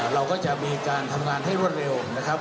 เราก็จะมีการทำงานให้รวดเร็วนะครับ